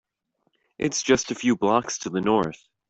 It’s just a few blocks to the North.